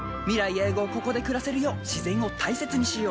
永劫ここで暮らせるよう自然を大切にしよう。